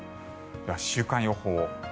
では週間予報。